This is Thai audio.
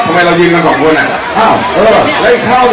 พี่โดรก็ตอบตาม